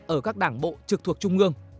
ở các đảng bộ trực thuộc trung ương